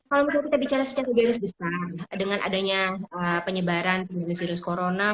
kalau kita lihat secara secara secara besar dengan adanya penyebaran pandemi virus corona